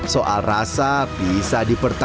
soal rasa bisa dipertahankan